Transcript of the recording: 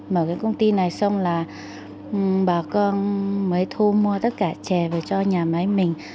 mở cái công ty này xong là bà con mới thu mua tất cả chè về cho nhà máy mình